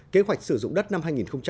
kế hoạch sử dụng đất năm hai nghìn hai mươi